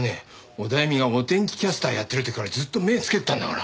オダエミがお天気キャスターやってる時からずっと目付けてたんだから。